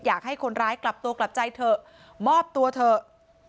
อยากให้คนร้ายกลับตัวกลับใจเถอะมอบตัวเถอะ